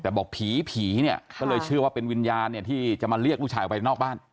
แต่บอกผีผีเนี่ยก็เลยเชื่อว่าเป็นวิญญาณเนี่ยที่จะมาเรียกลูกชายออกไปนอกบ้าน